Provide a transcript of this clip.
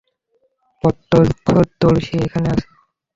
প্রত্যক্ষদর্শী এখানে আছে।